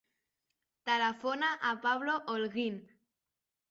Telefona al Pablo Holguin.